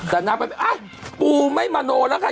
แต่นางไปอ๊ะปูไม่มาโน้นแล้วค่ะ